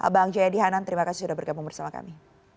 bang jaya dihanan terima kasih sudah bergabung bersama kami